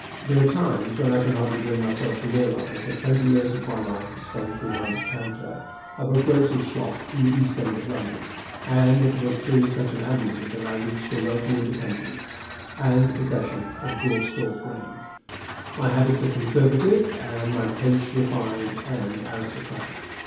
There are times when I can hardly bring myself to realize that twenty years of my life were spent behind the counter of a grocer's shop in the East End of London, and that it was through such an avenue that I reached a wealthy independence and the possession of Goresthorpe Grange. My habits are conservative, and my tastes refined and aristocratic.